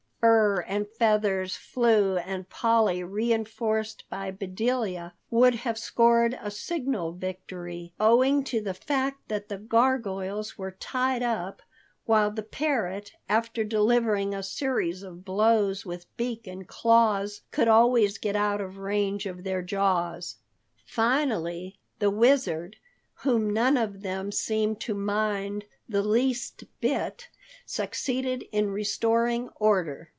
Fur and feathers flew and Polly, reinforced by Bedelia, would have scored a signal victory owing to the fact that the gargoyles were tied up, while the parrot, after delivering a series of blows with beak and claws, could always get out of the range of their jaws. Finally the Wizard, whom none of them seemed to mind the least bit, succeeded in restoring order.